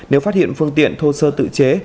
nếu phát hiện phương tiện thô sơ tự chế